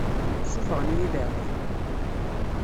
Ssufɣen-iyi i leεqel-iw.